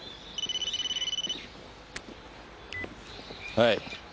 はい。